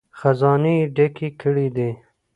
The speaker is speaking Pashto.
خزانې یې ډکې کړې دي.